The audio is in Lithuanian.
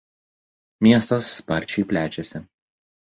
Miestas sparčiai plečiasi.